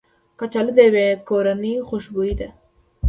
کچالو د یوې کورنۍ خوشبختي ده